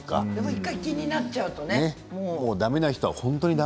１回気になっちゃうとね。